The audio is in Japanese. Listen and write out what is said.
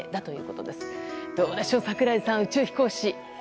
どうでしょう、櫻井さん宇宙飛行士。